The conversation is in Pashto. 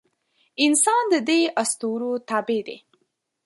انسان د دې اسطورو تابع دی.